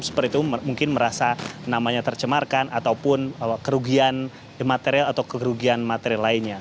seperti itu mungkin merasa namanya tercemarkan ataupun kerugian material